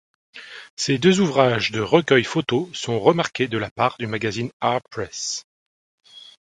Ces deux ouvrages de recueils-photos seront remarqués de la part du magazine Art Press.